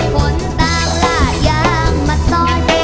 ผลต่างราดยางมาต่อย